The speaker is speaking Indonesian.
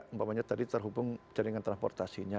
umpamanya tadi terhubung jaringan transportasinya